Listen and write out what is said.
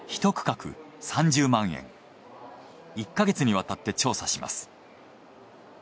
１か月にわたって調査します。